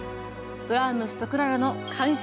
ブラームスとクララの関係とは？